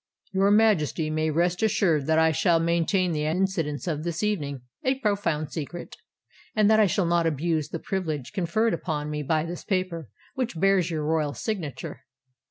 "Your Majesty may rest assured that I shall maintain the incidents of this evening a profound secret, and that I shall not abuse the privilege conferred upon me by this paper which bears your royal signature."